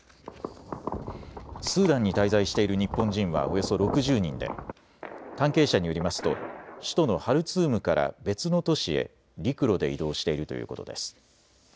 スーダンに滞在している日本人はおよそ６０人で関係者によりますと首都のハルツームから別の都市へ陸路で移動しているということです。